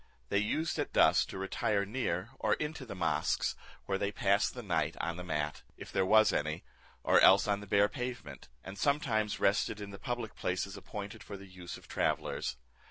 They used at dusk to retire near or into the mosques, where they passed the night on the mat, if there was any, or else on the bare pavement; and sometimes rested in the public places appointed for the use of travellers.